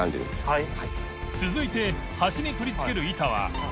はい。